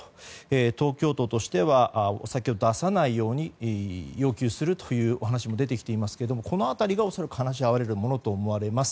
東京都としてはお酒を出さないように要求するというお話も出てきていますがこの辺りが話し合われるものと思われます。